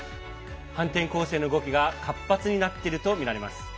反転攻勢の動きが活発になっているとみられます。